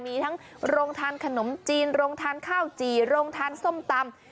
มีทั้งโรงทานขนมจีนโรงทานข้าวจี่โรงทานส้มตำ